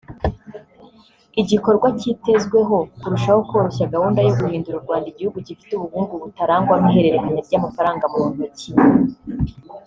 igikorwa kitezweho kurushaho koroshya gahunda yo guhindura u Rwanda igihugu gifite ubukungu butarangwamo ihererekanya ry’amafaranga mu ntoki